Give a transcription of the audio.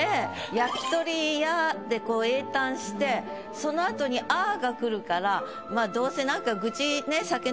「焼鳥や」で詠嘆してその後に「嗚呼」がくるからどうせ何か。